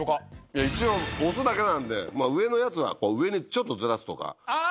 いや一応押すだけなんで上のやつはやっぱ上にちょっとずらすとかああ！